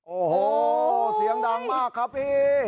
โอ้โหเสียงดังมากครับพี่